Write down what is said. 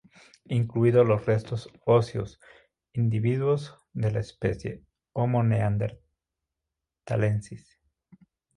Incluidos los restos óseos de seis individuos de la especie "Homo neanderthalensis".